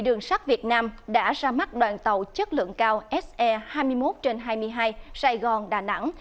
đường sắt việt nam đã ra mắt đoàn tàu chất lượng cao se hai mươi một trên hai mươi hai sài gòn đà nẵng